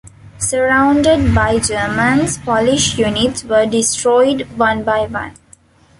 Surrounded by Germans, Polish units were destroyed one by one.